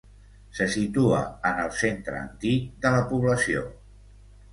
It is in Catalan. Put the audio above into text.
Se situa en el centre antic de la població.